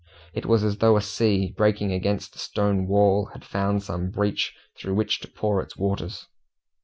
It was as though a sea, breaking against a stone wall, had found some breach through which to pour its waters.